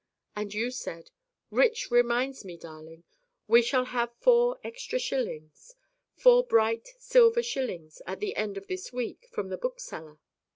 And you said, "Rich reminds me, Darling, we shall have four extra shillings four bright silver shillings at the end of this week from the book seller.